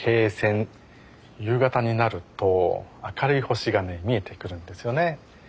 夕方になると明るい星がね見えてくるんですよね。